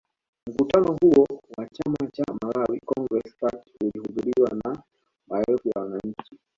Mkutano huo wa chama cha Malawi Congress Party ulihudhuriwa na maelfu ya wananchi